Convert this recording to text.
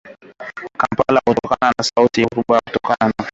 Kampala inasafirisha bidhaa kwenda jamhuri ya kidemokrasia ya Kongo